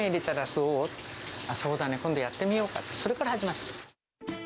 そうだね、今度やってみようかって、それから始まった。